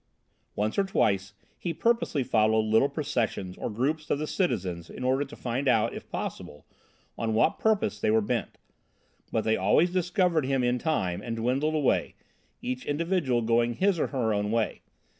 Once or twice he purposely followed little processions or groups of the citizens in order to find out, if possible, on what purpose they were bent; but they always discovered him in time and dwindled away, each individual going his or her own way.